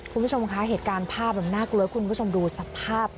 คุณผู้ชมคะเหตุการณ์ภาพมันน่ากลัวคุณผู้ชมดูสภาพ